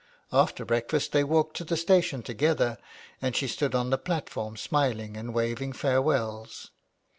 After breakfast they walked to the station together, and she stood on the platform smiling and waving farewells.